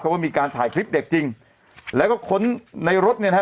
ว่ามีการถ่ายคลิปเด็กจริงแล้วก็ค้นในรถเนี่ยนะฮะ